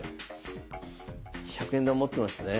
１００円玉持ってますね？